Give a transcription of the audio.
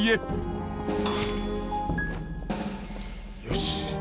よし。